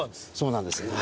そうなんです。